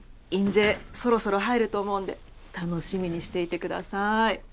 印税そろそろ入ると思うので楽しみにしていてください。